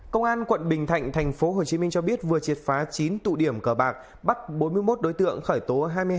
công an quận bình thạnh tp hcm cho biết vừa triệt phá chín tụ điểm cờ bạc bắt bốn mươi một đối tượng khởi tố hai mươi hai